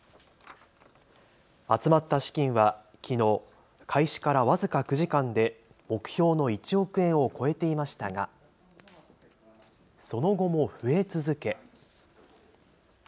集まった資金はきのう開始から僅か９時間で目標の１億円を超えていましたがその後も増え続け。